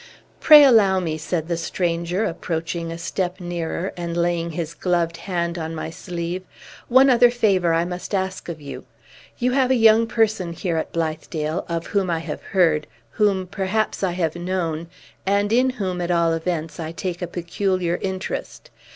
"Pray allow me," said the stranger, approaching a step nearer, and laying his gloved hand on my sleeve. "One other favor I must ask of you. You have a young person here at Blithedale, of whom I have heard, whom, perhaps, I have known, and in whom, at all events, I take a peculiar interest.